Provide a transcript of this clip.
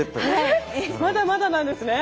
まだまだなんですね。